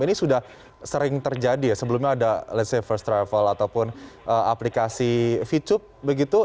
ini sudah sering terjadi ya sebelumnya ada ⁇ lets ⁇ say first travel ataupun aplikasi vtube begitu